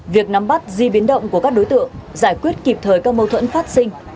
việc nắm bắt di biến động của các đối tượng giải quyết kịp thời các mâu thuẫn phát sinh